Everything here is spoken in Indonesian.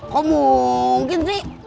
kok mungkin sih